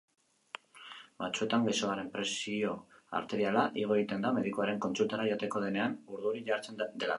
Batzuetan gaixoaren presio arteriala igo egiten da medikuaren kontsultara joaten denean urduri jartzen delako.